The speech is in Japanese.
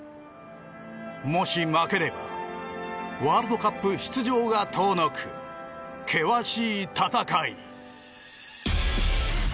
もし負ければワールドカップ出場が遠のく険しい戦い。